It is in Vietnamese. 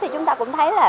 chúng ta cũng thấy là